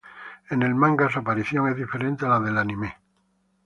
En el manga, su aparición es diferente a la del anime.